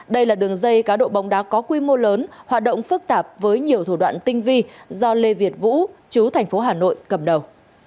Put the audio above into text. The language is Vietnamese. đây là đường dây cá độ bóng đá có quy mô lớn hoạt động phức tạp với nhiều thủ đoạn tinh vi do lê việt vũ chú thành phố hà nội cầm đầu